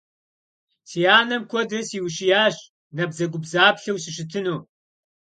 Си анэм куэдрэ сиущиящ набдзэгубдзаплъэу сыщытыну.